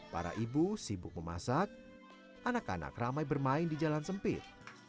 para ibu sibuk memasak anak anak ramai bermain di jalan sempit